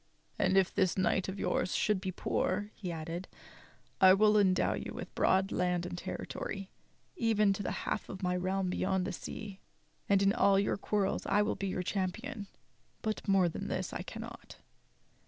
"And if this knight of yours should be poor," he added, "I will endow you with broad land and territory, even to the half of my realm beyond the sea; and in all your quarrels I will be your cham pion. But more than this I cannot."